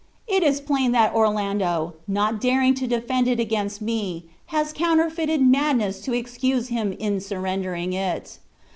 It is plain that Orlando, not daring to defend it against me, has counterfeited madness to excuse him in surrendering it."